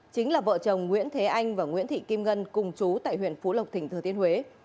chính là vợ chồng nguyễn thế anh và nguyễn thị kim ngân cùng chú tại huyện phú lộc tỉnh thừa thiên huế